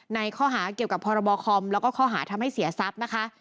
ในข้อหาเกี่ยวกับพรบคอมแล้วก็ข้อหาทำให้เสียทรัพย์นะคะ